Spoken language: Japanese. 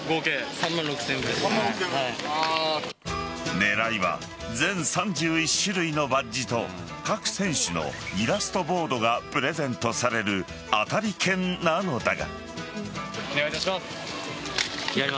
狙いは全３１種類のバッジと各選手のイラストボードがプレゼントされる当たり券なのだが。